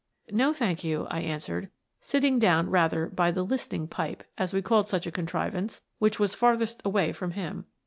" "No, thank you," I answered, sitting down rather by the "Listening Pipe" — as we called such a contrivance — that was farthest away from him.